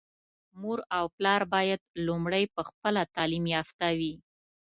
مور او پلار بايد لومړی په خپله تعليم يافته وي.